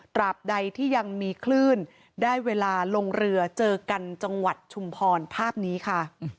บใดที่ยังมีคลื่นได้เวลาลงเรือเจอกันจังหวัดชุมพรภาพนี้ค่ะ